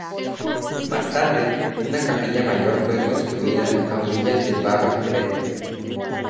Más tarde, una capilla mayor fue construida a orillas del Barro Preto.